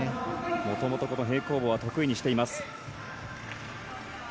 元々、平行棒は得意にしています。